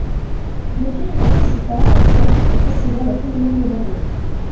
Le film participa entre autres au festival au féminin de Bordeaux.